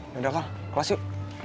yaudah klas yuk